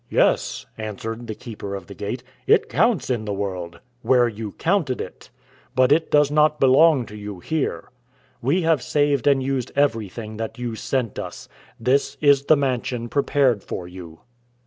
"Yes," answered he Keeper of the Gate, "it counts in the world where you counted it. But it does not belong to you here. We have saved and used everything that you sent us. This is the mansion prepared for you."